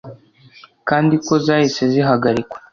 kandi ko zahise zihagarikwa